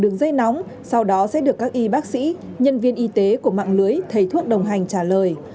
đường dây nóng sau đó sẽ được các y bác sĩ nhân viên y tế của mạng lưới thầy thuốc đồng hành trả lời